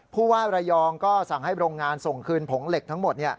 ผู้ว่าระยองก็สั่งให้โรงงานส่งคืนผงเหล็กทั้งหมด